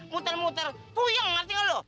muter muter puyeng ngerti nggak lo